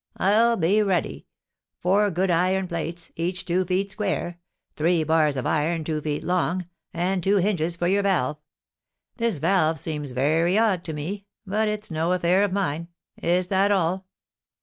"I'll be ready. Four good iron plates, each two feet square, three bars of iron two feet long, and two hinges for your valve. This valve seems very odd to me; but it's no affair of mine. Is that all?"